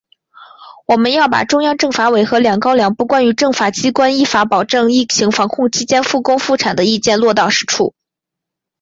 我们要把中央政法委和‘两高两部’《关于政法机关依法保障疫情防控期间复工复产的意见》落到实处